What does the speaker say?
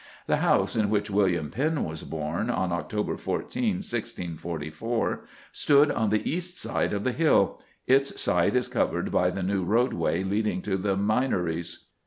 The house in which William Penn was born, on October 14, 1644, stood on the east side of the hill; its site is covered by the new roadway leading to the Minories.